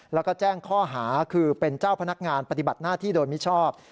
แล้วก็แจ้งข้อหาคือเป็นเจ้าพนักงานปฏิบัติหน้าที่โดยมิชอบ